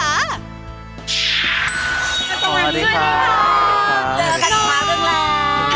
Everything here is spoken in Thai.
พระคุณต้องมาช่วยด้วยค่ะค่ะค่ะสวัสดีครับ